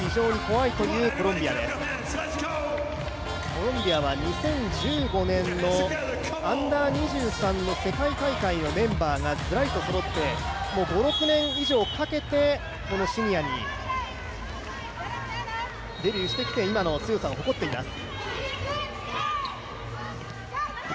コロンビアは２０１５年のＵ−２３の世界大会のメンバーがずらりとそろって、もう５６年以上かけてこのシニアにデビューしてきて今の強さを誇っています。